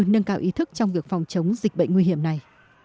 nâng cao ý thức trong việc phòng chống dịch bệnh nguy hiểm này